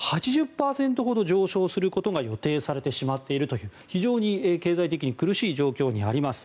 ８０％ほど上昇することが予定されてしまっているという非常に経済的に苦しい状況にあります。